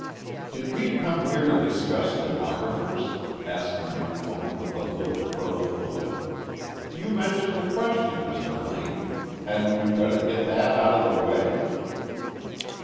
"Did we come here to discuss stenographers?" asked the young woman with a little curl of the lip. "You mentioned a question, Mr. Lane. Hadn't we better get that out of the way?"